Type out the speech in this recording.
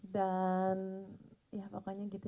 dan ya apa apanya gitu